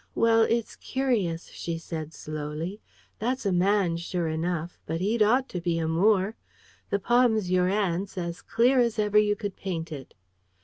"Well, it's curious," she said, slowly. "That's a man, sure enough: but he'd ought to be a Moore. The palm's your aunt's as clear as ever you could paint it!"